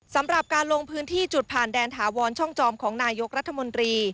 สำหรับการลงพื้นที่จุดผ่านแดนถาวรช่องจอมของนายกรัฐมนตรี